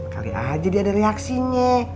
kali aja dia ada reaksinya